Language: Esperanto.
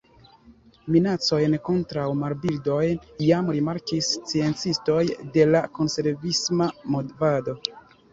Minacojn kontraŭ marbirdoj jam rimarkis sciencistoj de la konservisma movado.